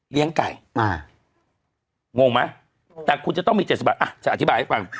เลี้ยงไก่อ่างงไหมแต่คุณจะต้องมีเจ็ดสิบบาทอ่ะจะอธิบายให้ฟัง